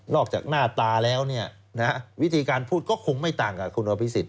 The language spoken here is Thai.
จากหน้าตาแล้ววิธีการพูดก็คงไม่ต่างกับคุณอภิษฎ